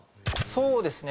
そうですね。